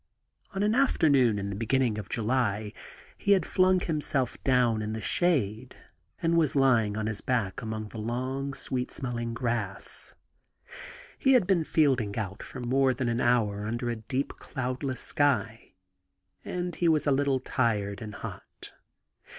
On an afternoon in the beginning of July he had flung himself down in the shade, and was lymg on his back among the long, sweet smelling grass. He had been fielding out for more than an hour under a deep, cloudless sky, and he was a little tired and hot.